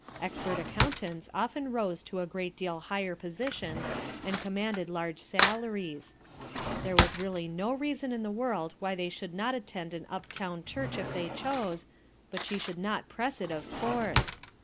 Expert accountants often rose to a great deal higher positions and commanded large salaries. There was really no reason in the world why they should not attend an up town church if they chose, hut she should not press it, of course.